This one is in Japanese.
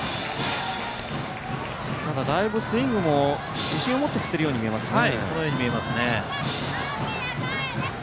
ただだいぶスイングも自信を持ってそのように見えますね。